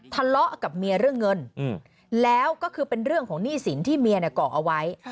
ทะเลาะกับเมียเรื่องเงินแล้วก็คือเป็นเรื่องของหนี้สินที่เมียก่อเอาไว้